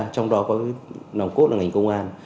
trong đó có cái nòng cốt là ngành công an